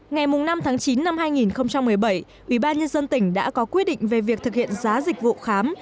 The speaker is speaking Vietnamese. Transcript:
ngày năm tháng chín năm hai nghìn một mươi bảy ủy ban nhân dân tỉnh đã có quyết định về việc thực hiện giá dịch vụ khám